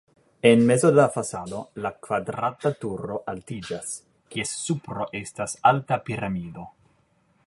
En mezo de la fasado la kvadrata turo altiĝas, kies supro estas alta piramido.